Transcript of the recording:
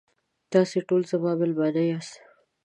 تاسې ټول زما میلمانه یاست.